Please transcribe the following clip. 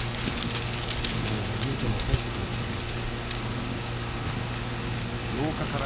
もう優太も帰って来る時間だ。